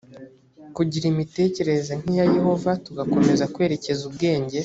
kugira imitekerereze nk iya yehova tugakomeza kwerekeza ubwenge